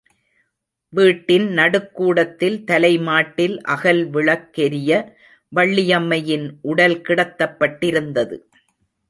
வீட்டின் நடுக்கூடத்தில் தலைமாட்டில் அகல் விளக்கெரிய வள்ளியம்மையின் உடல் கிடத்தப்பட்டிருந்தது.